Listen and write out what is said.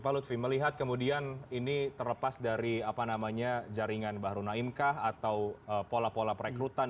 pak lutfi melihat kemudian ini terlepas dari apa namanya jaringan bahru naimkah atau pola pola perekrutan